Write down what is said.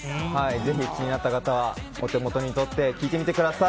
ぜひ気になった方はお手元にとって聞いてみてください。